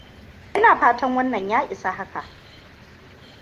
Ina fatan wannan ya isa haka.